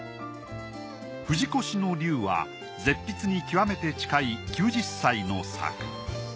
『富士越龍』は絶筆に極めて近い９０歳の作。